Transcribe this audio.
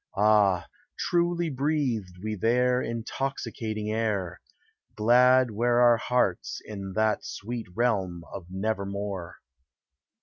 Ah, truly breathed we there Intoxicating air — Glad were our hearts in that sweet realm of Nevermore.